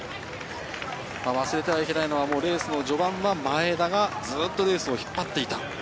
忘れてはいけないのはレースの序盤は前田が、ずっとレースを引っ張っていた。